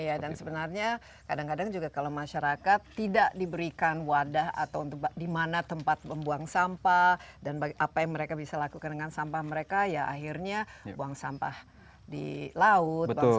iya dan sebenarnya kadang kadang juga kalau masyarakat tidak diberikan wadah atau untuk di mana tempat membuang sampah dan apa yang mereka bisa lakukan dengan sampah mereka ya akhirnya buang sampah di laut